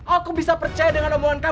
aku bisa percaya dengan omongan kamu